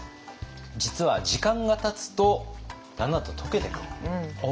実は時間がたつとだんだんと溶けてくる。